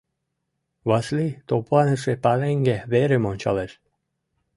Васлий топланыше пареҥге верым ончалеш.